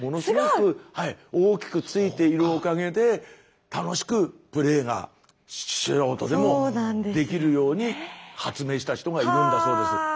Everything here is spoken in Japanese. すごい！大きくついているおかげで楽しくプレーが素人でもできるように発明した人がいるんだそうです。